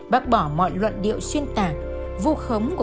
bác bỏ mọi luận điệu xuyên tạc